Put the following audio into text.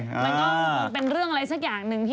มันก็เป็นเรื่องอะไรสักอย่างหนึ่ง